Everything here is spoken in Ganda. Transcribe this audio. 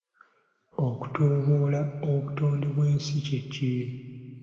Okutyoboola obutonde bw'ensi kye ki?